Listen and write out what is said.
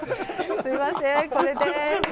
すいませんこれです。